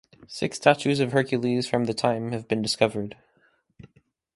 Six statues of Hercules from the time have been discovered.